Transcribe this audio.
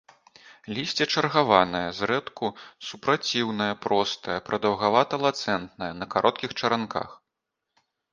Лісце чаргаванае, зрэдку супраціўнае, простае, прадаўгавата-ланцэтнае, на кароткіх чаранках.